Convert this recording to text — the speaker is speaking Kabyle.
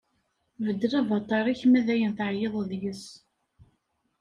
Beddel avaṭar-ik ma dayen teɛyiḍ deg-s.